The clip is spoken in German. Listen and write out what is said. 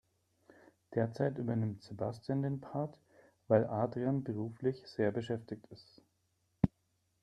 Derzeit übernimmt Sebastian den Part, weil Adrian beruflich sehr beschäftigt ist.